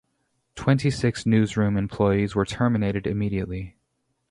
Twenty-six newsroom employees were terminated immediately.